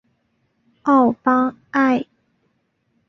邦奥埃。